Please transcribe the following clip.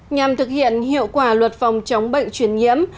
nhằm thực hiện hiệu quả luật phòng chống bệnh truyền nhiễm